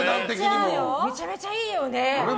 めちゃめちゃいいよね。